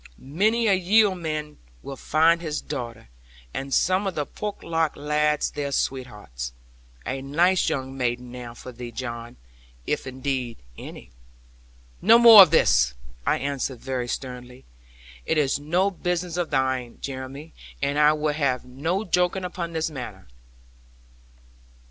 Many a yeoman will find his daughter, and some of the Porlock lads their sweethearts. A nice young maiden, now, for thee, John; if indeed, any ' 'No more of this!' I answered very sternly: 'it is no business of thine, Jeremy; and I will have no joking upon this matter.'